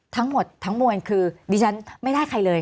ทั้งหมดทั้งมวลคือดิฉันไม่ได้ใครเลย